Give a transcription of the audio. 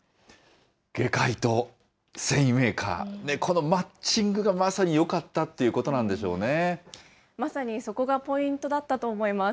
外科医と繊維メーカー、このマッチングがまさによかったってまさにそこがポイントだったと思います。